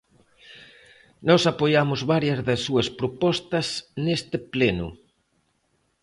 Nós apoiamos varias das súas propostas neste pleno.